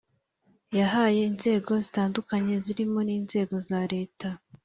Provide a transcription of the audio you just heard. Yahaye inzego zitandukanye zirimo n inzego za leta